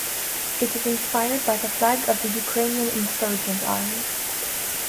It is inspired by the flag of the Ukrainian Insurgent Army.